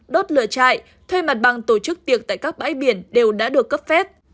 đốt lửa chạy thuê mặt bằng tổ chức tiệc tại các bãi biển đều đã được cấp phép